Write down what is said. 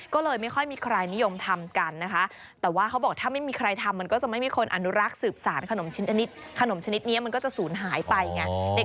ก็เลยไม่ค่อยมีใครนิยมทำกันนะคะแต่ว่าเขาบอกถ้าไม่มีใครทำมันก็จะไม่มีคนอนุรักษ์สืบสารขนมชนิดนี้มันก็จะศูนย์หายไปไง